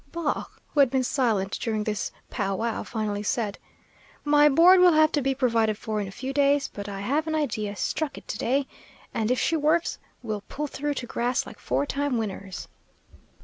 Baugh, who had been silent during this pow wow, finally said, "My board will have to be provided for in a few days, but I have an idea, struck it to day, and if she works, we'll pull through to grass like four time winners."